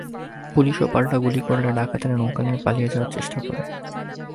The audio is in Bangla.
পুলিশও পাল্টা গুলি করলে ডাকাতেরা নৌকা নিয়ে পালিয়ে যাওয়ার চেষ্টা করে।